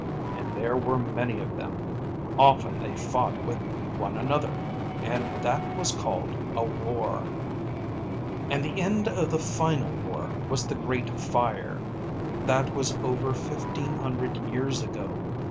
And there were many of them. Often they fought with one another, and that was called a war. And the end of the final war was the Great Fire. That was over fifteen hundred years ago.